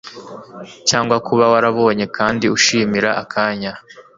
Cyangwa kuba warabonye kandi ushimira akanya